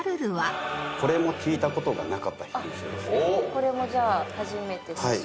これもじゃあ初めて試食。